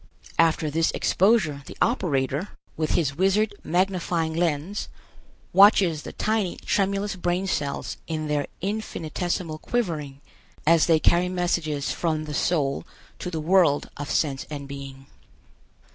After this exposure the operator, with his wizard magnifying lens, watches the tiny tremulous brain cells in their infinitesimal quivering, as they carry messages from the soul to the world of sense and being.